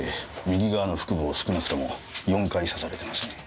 右側の腹部を少なくとも４回刺されてますね。